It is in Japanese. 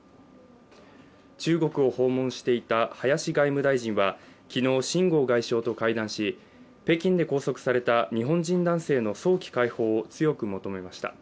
中国を訪問していた林外務大臣は昨日、秦剛外相と会談し北京で拘束された日本人男性の早期解放を強く求めました。